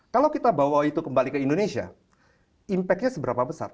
kalau kita bawa itu kembali ke indonesia impactnya seberapa besar